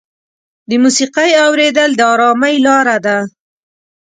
د موسیقۍ اورېدل د ارامۍ لاره ده.